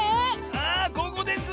あここです！